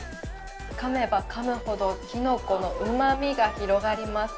かめばかむほど、きのこのうまみが広がります。